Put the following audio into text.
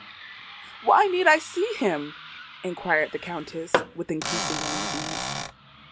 "Why need I see him?" inquired the Countess with increasing uneasiness.